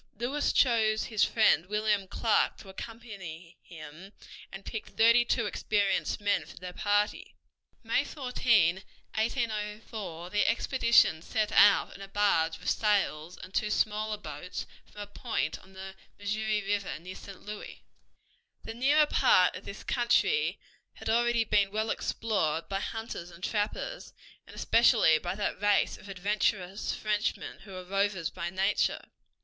Lewis chose his friend William Clark to accompany him, and picked thirty two experienced men for their party. May 14, 1804, the expedition set out in a barge with sails and two smaller boats from a point on the Missouri River near St. Louis. The nearer part of this country had already been well explored by hunters and trappers, and especially by that race of adventurous Frenchmen who were rovers by nature.